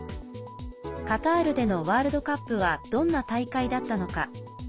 カタールでのワールドカップはどんな大会だったのか。